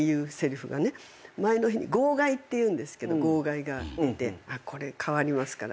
前の日に号外っていうんですけど号外が出て「これ変わりますから」